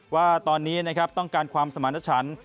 ว่าตอนนี้ต้องการความสมาชัน